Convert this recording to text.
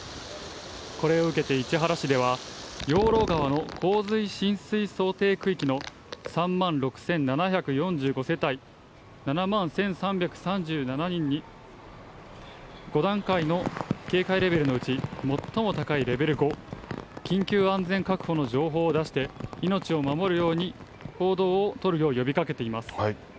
これを受けて市原市では、ようろう川の洪水浸水区域の３万６７４５世帯、７万１３３７人に５段階の警戒レベルのうち最も高いレベル５、緊急安全確保の情報を出して、命を守るように、行動を取るよう呼びかけています。